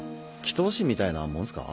祈祷師みたいなもんすか？